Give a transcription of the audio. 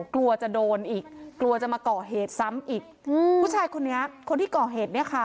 แต่ปัญหาคืออะตายแล้ว